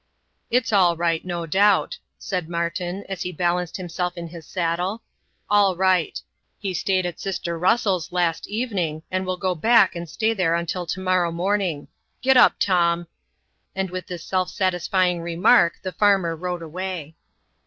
"It's all right, no doubt," said Martin, as he balanced himself in his saddle; "all right. He stayed at sister Russell's last evening, and will go back and stay there until to morrow morning. Get 'up, Tom!" And, with this self satisfying remark, the farmer rode away.